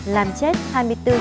làm chết hai người đàn ông